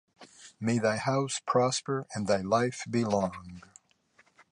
May thy house prosper and thy life be long!